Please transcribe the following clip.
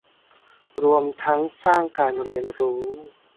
รวมทั้งสร้างการเรียนรู้